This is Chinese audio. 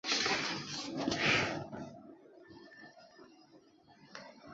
这假设以后能被相对论性量子力学所解释。